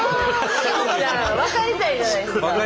分かりたいじゃないですか。